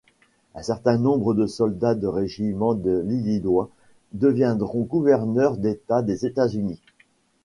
Un certain nombre de soldats de régiments de l'Illinois deviendront gouverneur d'états des États-Unis.